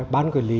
ban quản lý